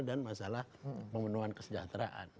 dan masalah pemenuhan kesejahteraan